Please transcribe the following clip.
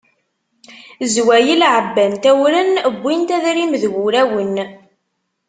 Zwayel ɛebbant awren, wwint adrim d wurawen.